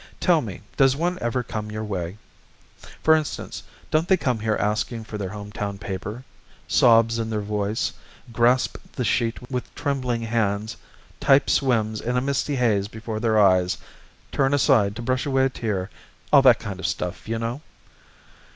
Tell me, does one ever come your way? For instance, don't they come here asking for their home town paper sobs in their voice grasp the sheet with trembling hands type swims in a misty haze before their eyes turn aside to brush away a tear all that kind of stuff, you know?"